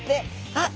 あっ！